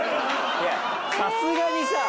いやさすがにさ